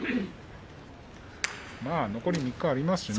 残り３日ありますからね。